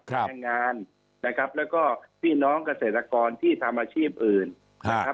แรงงานนะครับแล้วก็พี่น้องเกษตรกรที่ทำอาชีพอื่นนะครับ